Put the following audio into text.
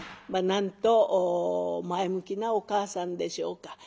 まっなんと前向きなお母さんでしょうか。